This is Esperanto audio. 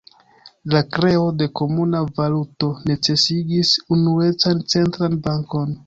La kreo de komuna valuto necesigis unuecan centran bankon.